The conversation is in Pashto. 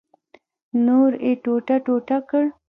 نور یې ټوټه ټوټه کړ.